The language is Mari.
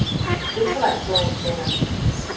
— Кӧ тылат чонет семын?